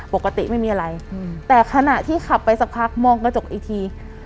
ปกติไม่มีอะไรแต่ขณะที่ขับไปสักพักมองกระจกอีกที